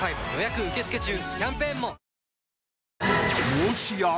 もしや？